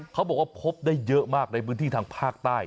เขาบอกว่าพบได้เยอะมากในพื้นที่ทางภาคใต้